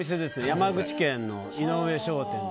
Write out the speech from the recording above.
山口県の井上商店。